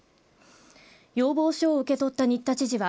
要望書を受け取った新田知事は